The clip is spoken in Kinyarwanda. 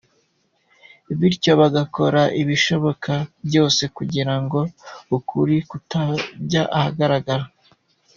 Bityo bagakora ibishoboka byose kugira ngo ukuri kutajya ahagaragara.